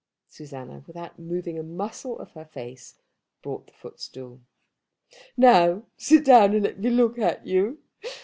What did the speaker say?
Susanna, without moving a muscle of her face, brought the footstool. "Now sit down, and let me look at you.